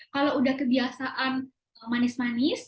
kalau udah kebiasaan manis manis